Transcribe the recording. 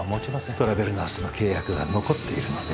トラベルナースの契約が残っているので。